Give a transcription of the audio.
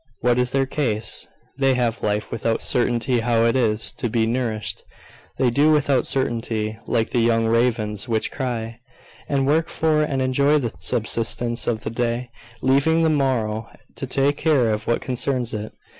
What is their case? They have life, without certainty how it is to be nourished. They do without certainty, like "the young ravens which cry," and work for and enjoy the subsistence of the day, leaving the morrow to take care of what concerns it.